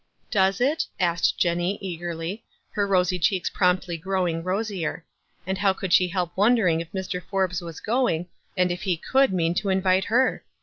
"Does it?" asked Jenny, eagerly, her rosy checks promptly growing rosier ; and how could she help wondering if Mr. Forbes was going, and if he could mean to invite her?